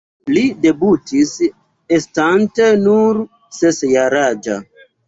Li debutis estante nur ses-jaraĝa.